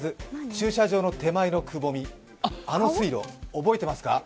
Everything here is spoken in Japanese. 駐車場の手前のくぼみ、あの水路、覚えてますか？